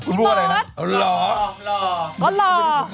คุณบอกอะไรห้อหรอ